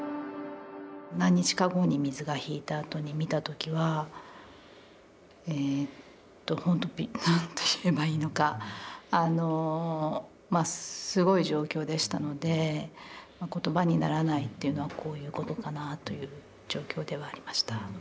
何日か後に水が引いたあとに見た時はほんとに何と言えばいいのかあのすごい状況でしたので言葉にならないというのはこういうことかなという状況ではありました。